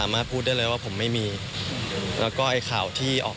ไม่เราต้องให้มีแบบ